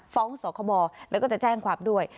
สคบแล้วก็จะแจ้งความด้วย